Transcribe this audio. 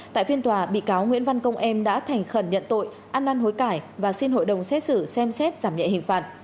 tại phiên tòa bị cáo nguyễn văn công em đã thành khẩn nhận tội ăn năn hối cải và xin hội đồng xét xử xem xét giảm nhẹ hình phạt